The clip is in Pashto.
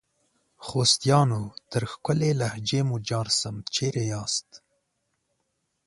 خوستیانو ! تر ښکلي لهجې مو جار سم ، چیري یاست؟